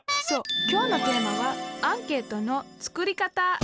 そうきょうのテーマは「アンケートの作り方」。